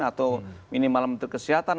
atau minimal menteri kesehatan